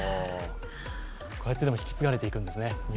こうやって引き継がれていくんですね。